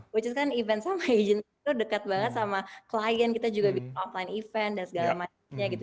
which is kan event sama agent itu dekat banget sama klien kita juga bikin offline event dan segala macamnya gitu